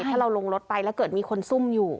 ถ้าเราลงรถไปแล้วเกิดมีคนซุ่มอยู่